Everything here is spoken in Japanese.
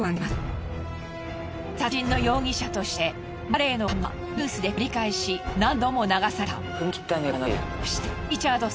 殺人の容疑者としてマレーの顔がニュースで繰り返し何度も流された。